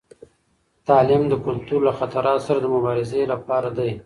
تعلیم د کلتور له خطراتو سره د مبارزې لپاره دی.